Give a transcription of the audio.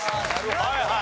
はいはい。